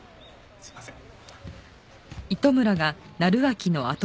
すいません。